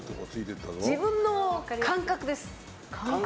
自分の感覚です。